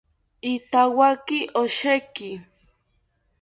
Ithawaki osheki